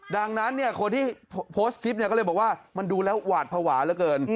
ดังนั้นคนที่โพสต์คลิปก็เลยบอกว่ามันดูแล้วหวาดภาวะเหลือเกิน